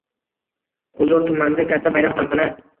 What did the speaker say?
G‘uzor tumanida katta bayram, tantana